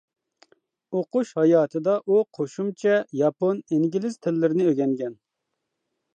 ئوقۇش ھاياتىدا ئۇ قوشۇمچە ياپون، ئىنگلىز تىللىرىنى ئۆگەنگەن.